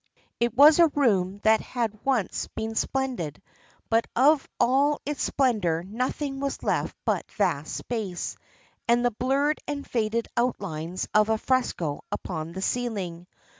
It was a room that had once been splendid; but of all its splendour nothing was left but vast space, and the blurred and faded outlines of a fresco upon the ceiling.